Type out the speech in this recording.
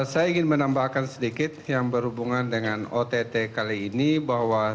saya ingin menambahkan sedikit yang berhubungan dengan ott kali ini bahwa